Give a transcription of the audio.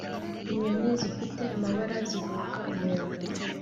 inyoni zifite amababa ziguruka umuyaga